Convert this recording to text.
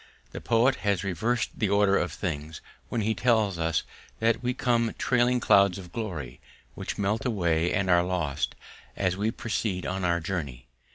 The poet has reversed the order of things when he tells us that we come trailing clouds of glory, which melt away and are lost as we proceed on our journey.